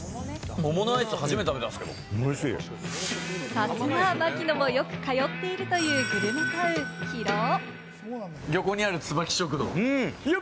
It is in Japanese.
さすが、槙野もよく通っているというグルメタウン・広尾。